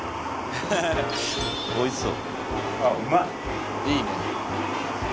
あおいしそう！